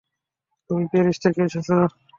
তুমি প্যারিস থেকে এসেছো?